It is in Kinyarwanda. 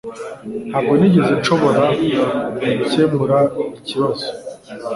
Ntabwo nigeze nshobora gukemura ikibazo